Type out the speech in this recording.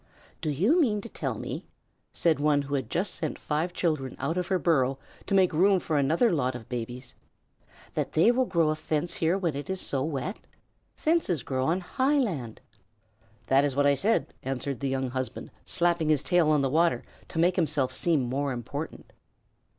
"Do you mean to tell me," said one who had just sent five children out of her burrow to make room for another lot of babies, "that they will grow a fence here where it is so wet? Fences grow on high land." "That is what I said," answered the young husband, slapping his tail on the water to make himself seem more important.